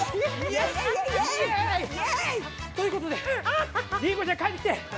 ということでりんごちゃん帰ってきて！